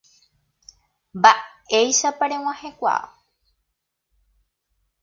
Mba'éichapa reg̃uahẽkuaa.